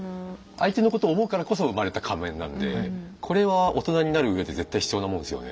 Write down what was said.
相手のこと思うからこそ生まれた仮面なんでこれは大人になるうえで絶対必要なもんですよね。